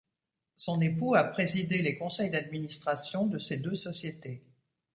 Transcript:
Son époux a présidé les conseils d’administration de ces deux sociétés.